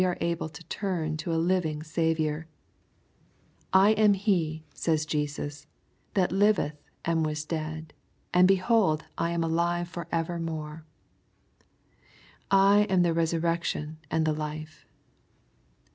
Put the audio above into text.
105 are able to tarn to a living Saviour, ''I am he/' says Jesos^ '^ that liveth and was dead, and behold I am alive for evermore/' "I am the resurrection and the life/' (Bev.